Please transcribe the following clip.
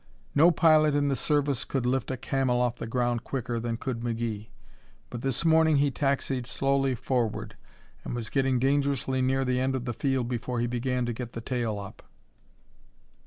No pilot in the service could lift a Camel off the ground quicker than could McGee, but this morning he taxied slowly forward and was getting dangerously near the end of the field before he began to get the tail up.